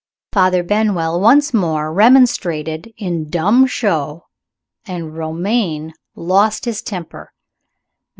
Father Benwell once more remonstrated in dumb show, and Romayne lost his temper.